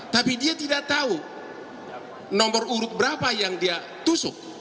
tapi dia tidak tahu nomor urut berapa yang dia tusuk